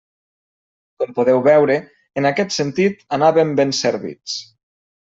Com podeu veure, en aquest sentit anàvem ben servits.